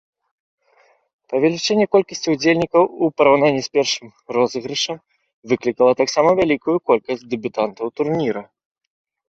Павелічэнне колькасці ўдзельнікаў у параўнанні з першым розыгрышам выклікала таксама вялікую колькасць дэбютантаў турніру.